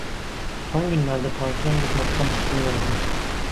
Son günlerde pansiyona gitmekten çekiniyordum.